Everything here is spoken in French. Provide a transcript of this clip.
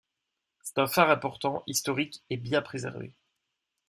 C'est un phare important, historique et bien préservé.